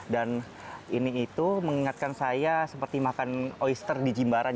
dan ini itu mengingatkan saya seperti makan oister di jimbaran